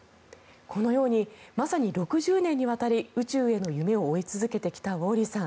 このようにまさに６０年にわたり宇宙への夢を追い続けてきたウォーリーさん。